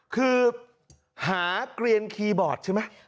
คือหาเกลียนคีย์บอร์ดใช่ไหม